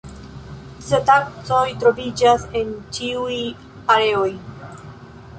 Cetacoj troviĝas en ĉiuj areoj.